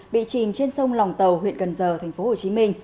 bị chìm trên sông lòng tàu huyện cần giờ tp hcm